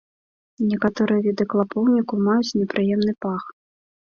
Некаторыя віды клапоўніку маюць непрыемны пах.